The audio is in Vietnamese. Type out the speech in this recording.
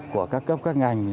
của các cấp các ngành